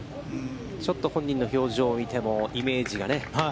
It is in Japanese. ちょっと本人の表情を見ても、イメージがね。